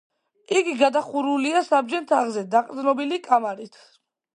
იგი გადახურულია საბჯენ თაღზე დაყრდნობილი კამარით.